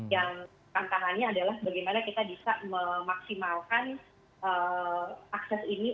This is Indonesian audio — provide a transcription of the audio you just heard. yang tantangannya adalah bagaimana kita bisa memaksimalkan akses ini